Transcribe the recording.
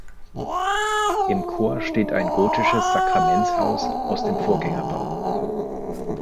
Im Chor steht ein gotisches Sakramentshaus aus dem Vorgängerbau.